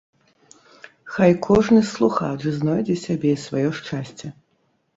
Хай кожны слухач знойдзе сябе і сваё шчасце.